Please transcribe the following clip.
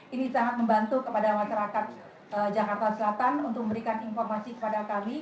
ini sangat membantu kepada masyarakat jakarta selatan untuk memberikan informasi kepada kami